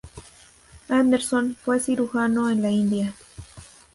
Anderson fue cirujano en la India.